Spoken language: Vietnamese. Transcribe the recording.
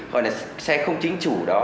gọi là xe không chính chủ đó